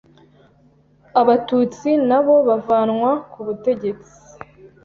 abatutsi nabo bavanwa kubutegetsi